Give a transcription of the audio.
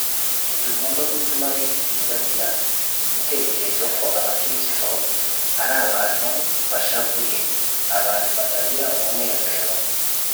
Ntitugomba gutuma ab’isi bagira igitekerezo ko AbaKristo ari abantu bashavuye, abantu batagira umunezero